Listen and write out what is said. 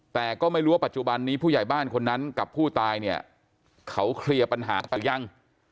แต่ก็ไม่รู้ว่าปัจจุบันนี้ผู้ใหญ่บ้านคนนั้นกับผู้ตายเนี่ยเขาเคลียร์ปัญหากันหรือยัง